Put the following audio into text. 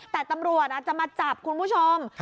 แต่ตำรวจจะมาจับคุณผู้ชม